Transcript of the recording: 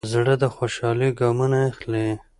زړه د خوشحالۍ ګامونه اخلي.